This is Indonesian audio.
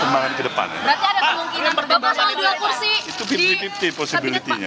kembali ke depan berarti ada kemungkinan berbentuk dua kursi itu pilih posibilitinya